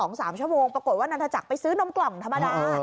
คุณทุก๒๓ชั่วโมงปรากฏว่านันทรักษ์ไปซื้อนมกล่ำธรรมดา